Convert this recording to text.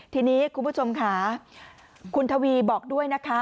ทีนี้คุณผู้ชมค่ะคุณทวีบอกด้วยนะคะ